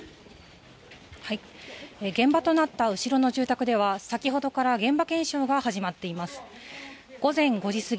現場となった後ろの住宅では先ほどから現場検証が始まっています。